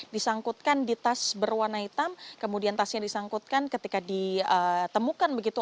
disangkutkan di tas berwarna hitam kemudian tasnya disangkutkan ketika ditemukan begitu